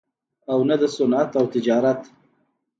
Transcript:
او نه دَصنعت او تجارت